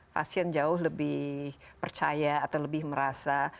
pasien jauh lebih percaya atau lebih merasa